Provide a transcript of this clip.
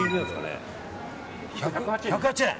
１０８円。